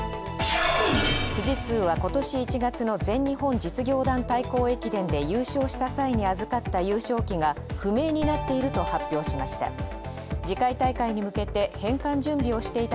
富士通は、今年１月の全日本実業団対抗駅伝で優勝した際に預かった「優勝旗」が不明になっていると発表しました。